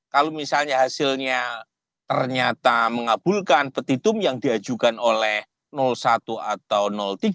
kalau misalnya hasilnya ternyata mengabulkan petitum yang diajukan oleh satu atau tiga